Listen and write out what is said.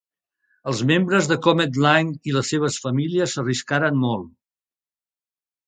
Els membres de Comet Line i les seves famílies s'arriscaren molt.